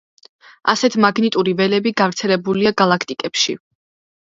ასეთ მაგნიტური ველები გავრცელებულია გალაქტიკებში.